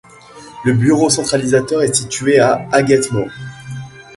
Le bureau centralisateur est situé à Hagetmau.